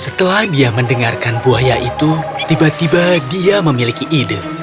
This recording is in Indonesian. setelah dia mendengarkan buaya itu tiba tiba dia memiliki ide